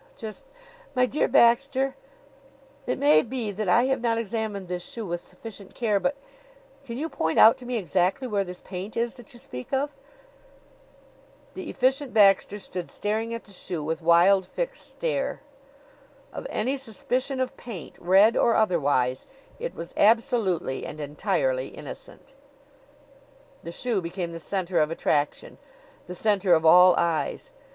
Just My dear Baxter, it may be that I have not examined this shoe with sufficient care, but Can you point out to me exactly where this paint is that you speak of?" The Efficient Baxter stood staring at the shoe with wild, fixed stare. Of any suspicion of paint, red or otherwise, it was absolutely and entirely innocent! The shoe became the center of attraction, the center of all eyes.